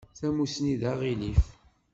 Tamusni d aɣilif.